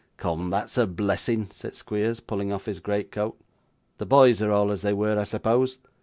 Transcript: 'Come; that's a blessing,' said Squeers, pulling off his great coat. 'The boys are all as they were, I suppose?